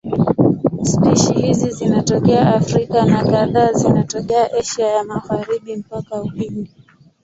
Spishi hizi zinatokea Afrika na kadhaa zinatokea Asia ya Magharibi mpaka Uhindi.